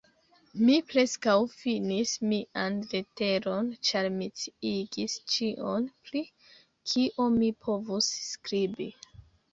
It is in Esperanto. Mi preskaŭ finis mian leteron, ĉar mi sciigis ĉion, pri kio mi povus skribi.